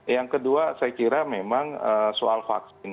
yang kedua saya kira memang soal vaksin